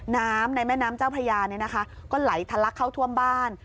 น้ำในแม่น้ำเจ้าพระยาก็ไหลทะลักเข้าท่วมบ้าน